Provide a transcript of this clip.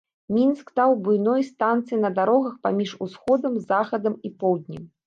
Мінск стаў буйной станцыяй на дарогах паміж усходам, захадам і поўднем.